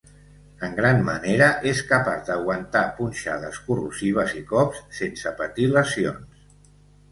En gran manera és capaç d'aguantar punxades corrosives i cops sense patir lesions.